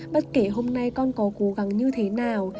bất kể hôm nay con có cố gắng như thế nào